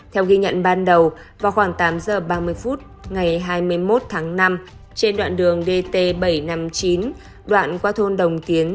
theo ghi nhận ban đầu vào khoảng tám giờ ba mươi phút ngày hai mươi một tháng năm trên đoạn đường dt bảy trăm năm mươi chín đoạn qua thôn đồng tiến